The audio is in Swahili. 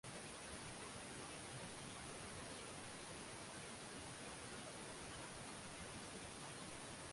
zania ikiwa itashindwa mchuano huu basi itakuwa ni mchuano wao wa pili kuweza kupoteza